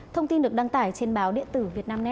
thông tin được đăng tải trên báo điện tử việt nam